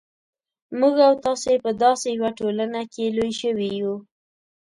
موږ او تاسې په داسې یوه ټولنه کې لوی شوي یو.